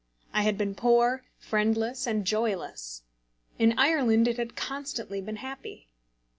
I had been poor, friendless, and joyless. In Ireland it had constantly been happy.